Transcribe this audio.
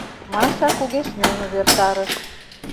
— Маша кугешнен увертарыш.